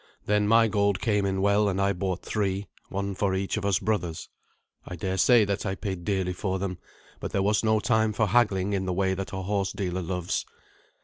Then my gold came in well, and I bought three, one for each of us brothers. I daresay that I paid dearly for them, but there was no time for haggling in the way that a horse dealer loves.